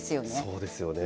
そうですよね。